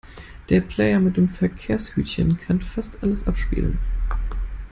Der Player mit dem Verkehrshütchen kann fast alles abspielen.